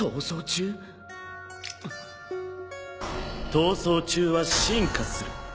逃走中は進化する。